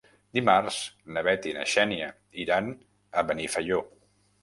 Dimarts na Bet i na Xènia iran a Benifaió.